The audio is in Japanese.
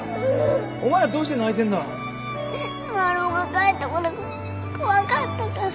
マルモが帰ってこなくて怖かったから。